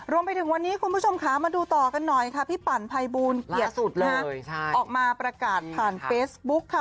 รวมไปถึงวันนี้คุณผู้ชมค่ะมาดูต่อกันหน่อยค่ะพี่ปั่นภัยบูลเกียรติสุดนะฮะออกมาประกาศผ่านเฟซบุ๊คค่ะ